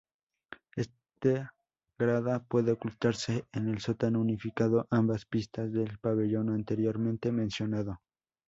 Esta grada puede ocultarse en el sótano unificando ambas pistas del pabellón anteriormente mencionado.